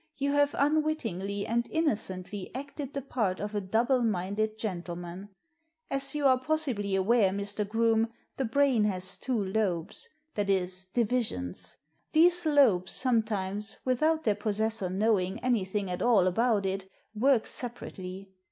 You have unwittingly and innocently acted the part of a double minded gentleman. As you are possibly aware, Mr. Groome, the brain has two lobes — ^that is, divisions. These lobes sometimes, without their possessor knowing anything at all about it, work separately.